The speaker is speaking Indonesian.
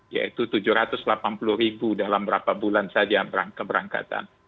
yaitu tujuh ratus delapan puluh ribu dalam berapa bulan saja keberangkatan